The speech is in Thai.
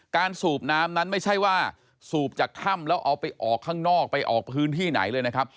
สูบน้ำนั้นไม่ใช่ว่าสูบจากถ้ำแล้วเอาไปออกข้างนอกไปออกพื้นที่ไหนเลยนะครับ